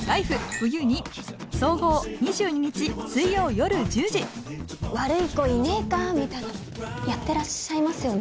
冬．２」総合２２日水曜夜１０時「悪い子いねぇか」みたいなのやってらっしゃいますよね？